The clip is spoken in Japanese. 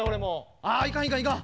ああいかんいかんいかん。